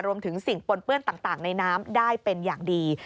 รวมถึงสิ่งปนเปื้อนต่างในน้ำได้เป็นอย่างดี